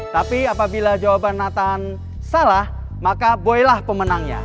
tapi apabila jawaban nathan salah maka boy lah pemenangnya